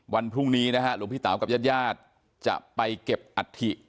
วันพรุ่งนี้นะฮะหลวงพี่เต๋ากับญาติญาติจะไปเก็บอัฐิ